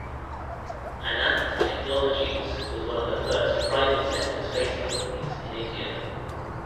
Ananth Technologies was one of the first private sector space companies in India.